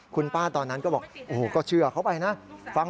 คุณป้าตอนนั้นก็เชื่อเขาไปนะ